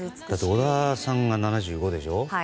小田さんが７５でしょ？